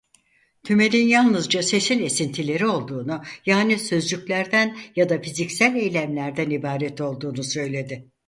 Tümel'in yalnızca "sesin esintileri" olduğunu yani sözcüklerden ya da fiziksel eylemlerden ibaret olduğunu söyledi.